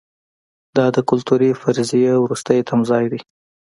دا د کلتوري فرضیې وروستی تمځای دی.